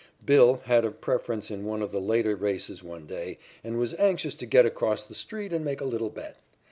"Bill" had a preference in one of the later races one day and was anxious to get across the street and make a little bet.